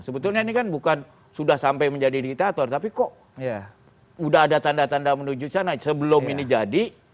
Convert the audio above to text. sebetulnya ini kan bukan sudah sampai menjadi diktator tapi kok udah ada tanda tanda menuju sana sebelum ini jadi